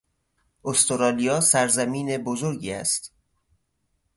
استرالیا سرزمین بزرگی است.